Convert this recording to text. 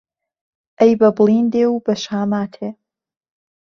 ئهی به بڵێندێ و به شاماتێ